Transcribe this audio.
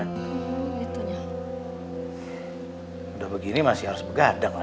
tapi dius celak ya